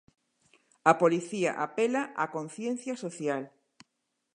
A policía apela á conciencia social.